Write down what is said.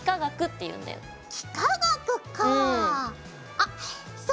あっそうだ。